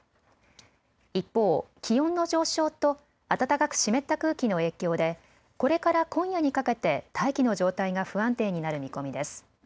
一方、気温の上昇と暖かく湿った空気の影響でこれから今夜にかけて大気の状態が不安定になる見込みです。